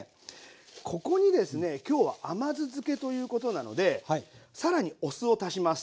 ここにですね今日は甘酢漬けということなので更にお酢を足します。